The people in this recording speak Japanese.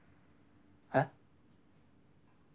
えっ？